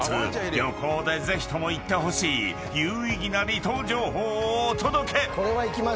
旅行でぜひとも行ってほしい有意義な離島情報をお届け］